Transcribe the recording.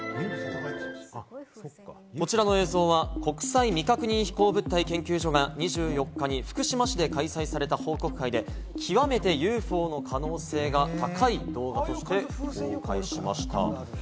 こちらの映像は国際未確認飛行物体研究所が２４日に福島市で開催された報告会で、極めてＵＦＯの可能性が高い動画として公開しました。